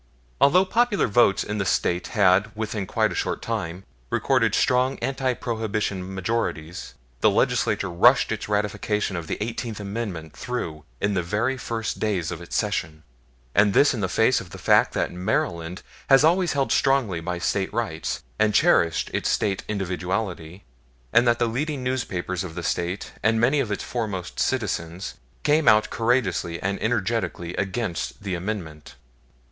Although popular votes in the State had, within quite a short time, recorded strong anti Prohibition majorities, the Legislature rushed its ratification of the Eighteenth Amendment through in the very first days of its session; and this in face of the fact that Maryland has always held strongly by State rights and cherished its State individuality, and that the leading newspapers of the State and many of its foremost citizens came out courageously and energetically against the Amendment.